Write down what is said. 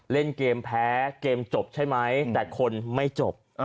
เล่นเกมแพ้เกมจบใช่ไหมแต่คนไม่จบ